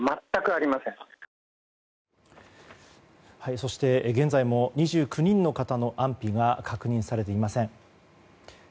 そして、現在も２９人の方の安否が確認されていません。